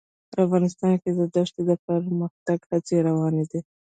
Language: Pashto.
افغانستان کې د دښتې د پرمختګ هڅې روانې دي.